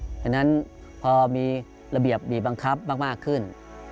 เพราะฉะนั้นพอมีระเบียบบีบังคับมากขึ้น